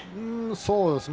そうですね